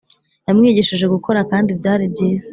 yamwigishije gukora kandi byari byiza